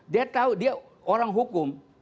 dia tahu dia orang hukum